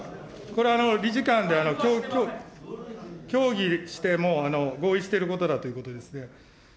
これ、理事会で協議して合意していることだということですね。